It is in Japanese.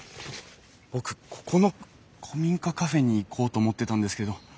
僕ここの古民家カフェに行こうと思ってたんですけど。